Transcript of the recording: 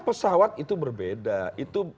pesawat itu berbeda itu